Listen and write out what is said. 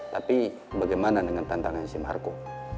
tapi bagaimana dengan tantangan si marco